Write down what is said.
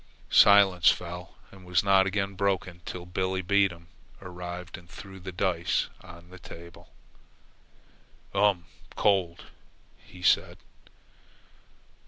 Silence fell and was not again broken till Billebedam arrived and threw the dice box on the table. "Um much cold," he said.